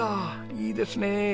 いいですね。